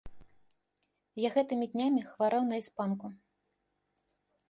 Я гэтымі днямі хварэў на іспанку.